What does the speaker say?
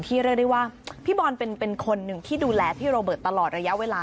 เรียกได้ว่าพี่บอลเป็นคนหนึ่งที่ดูแลพี่โรเบิร์ตตลอดระยะเวลา